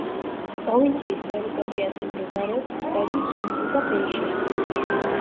პროვინციის ტერიტორიაზე მდებარეობს ტბები თუზი და ბეიშეჰირი.